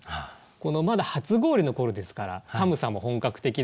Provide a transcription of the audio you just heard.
まだ初氷の頃ですから寒さも本格的ではなくって。